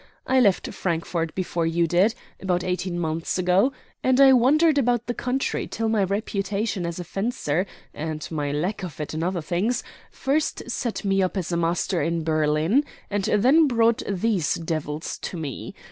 I left Frankfort before you did about eighteen months ago and I wandered about the country till my reputation as a fencer, and my lack of it in other things, first set me up as a master in Berlin, and then brought these devils to me.